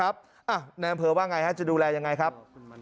อ้าวในอำเภอว่าอย่างไรจะดูแลอย่างไรครับ